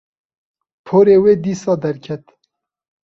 Porê wê dîsa derket